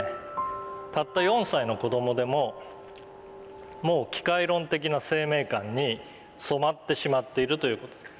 たった４歳の子供でももう機械論的な生命観に染まってしまっているという事です。